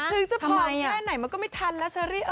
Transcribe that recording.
ถึงจะผอมแค่ไหนมันก็ไม่ทันแล้วเชอรี่